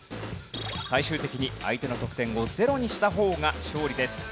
最終的に相手の得点をゼロにした方が勝利です。